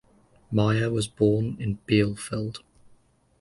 Meyer was born in Bielefeld.